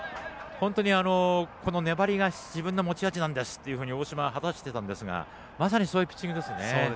本当にこの粘りが自分の持ち味なんですって大嶋、話していたんですがまさにそういうピッチングですね。